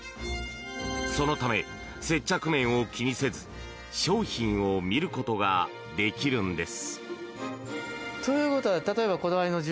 そのため、接着面を気にせず商品を見ることができるんです。